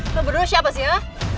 itu berdua siapa sih ya